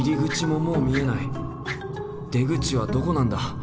出口はどこなんだ？